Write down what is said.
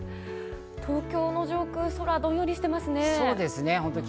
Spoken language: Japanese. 東京の上空、空はどんよりしていますね。